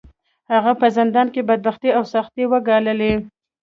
هغه په زندان کې بدبختۍ او سختۍ وګاللې.